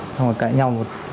xong rồi cãi nhau một